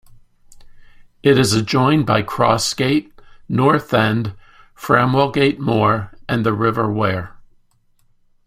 It is adjoined by Crossgate, North End, Framwellgate Moor and the River Wear.